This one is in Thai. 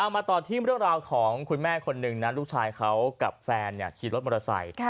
มาต่อที่เรื่องราวของคุณแม่คนหนึ่งนะลูกชายเขากับแฟนขี่รถมอเตอร์ไซค์